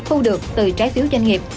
thu được từ trái phiếu doanh nghiệp